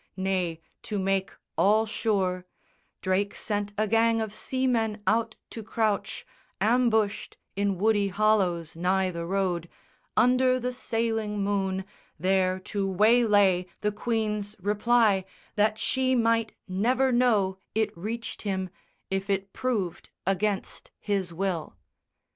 Nay, to make all sure, Drake sent a gang of seamen out to crouch Ambushed in woody hollows nigh the road, Under the sailing moon, there to waylay The Queen's reply, that she might never know It reached him, if it proved against his will.